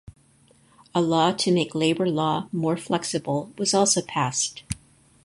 A law to make labour law more flexible was also passed.